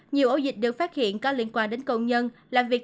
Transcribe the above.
nhiều ổ dịch được phát hiện có liên quan đến công nhân làm việc